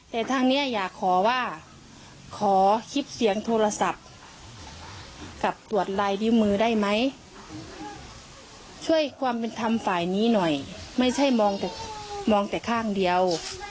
แต่ทางนี้อยากขอว่าขอคลิปเสียงโทรศัพท์กับตรวจลายนิ้วมือได้ไหมช่วยความเป็นธรรมฝ่ายนี้หน่อยไม่ใช่มองแต่มองแต่ข้างเดียว